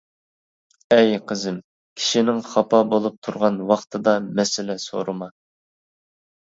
ئەي قىزىم، كىشىنىڭ خاپا بولۇپ تۇرغان ۋاقتىدا مەسىلە سورىما.